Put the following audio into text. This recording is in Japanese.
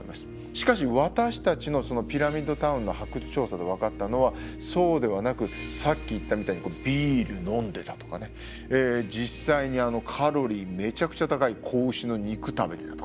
しかし私たちのピラミッド・タウンの発掘調査で分かったのはそうではなくさっき言ったみたいにビール飲んでたとかね実際にカロリーめちゃくちゃ高い子牛の肉食べてたとか。